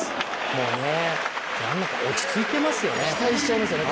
もうね、落ち着いてますよね